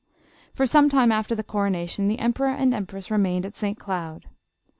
For some time after the coronation, the emperor and empress remained at St. Cloud.